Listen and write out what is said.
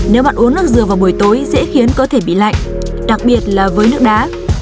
nếu bạn uống nước dừa vào buổi tối dễ khiến có thể bị lạnh đặc biệt là với nước đá